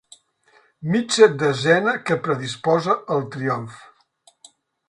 Mitja desena que predisposa al triomf.